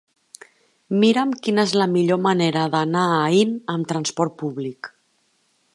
Mira'm quina és la millor manera d'anar a Aín amb transport públic.